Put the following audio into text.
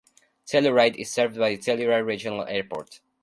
Telluride is served by Telluride Regional Airport.